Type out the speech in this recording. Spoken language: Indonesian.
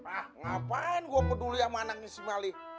ah ngapain gue peduli sama anaknya si malik